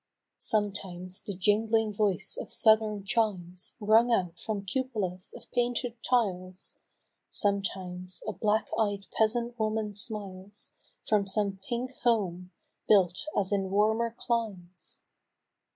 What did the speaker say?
Sometimes the jing'ling voice of southern chimes Rung out from cupolas of painted tiles. Sometimes a black eyed peasant woman smiles From some pink home, built as in warmer cUmes.